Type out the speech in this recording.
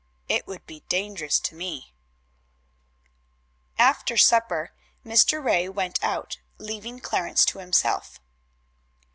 "It would be dangerous to me." After supper Mr. Ray went out, leaving Clarence to himself.